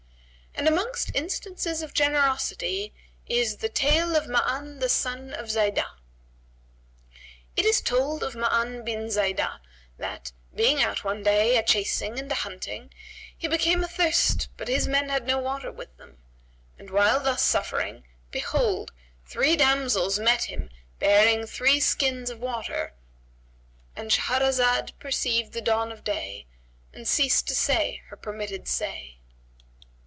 And amongst instances of generosity is the TALE OF MA'AN THE SON OF ZAIDAH.[FN#133] It is told of Ma'an bin Zбidah that, being out one day a chasing and a hunting, he became athirst but his men had no water with them; and while thus suffering behold, three damsels met him bearing three skins of water;—And Shahrazad perceived the dawn of day and ceased to say her permitted say.